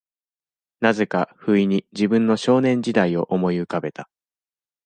何故か、不意に、自分の少年時代を思い浮かべた。